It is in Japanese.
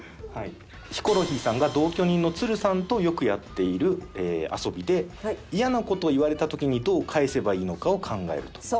ヒコロヒーさんが同居人のつるさんとよくやっている遊びでイヤな事を言われた時にどう返せばいいのかを考えると。